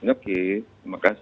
oke terima kasih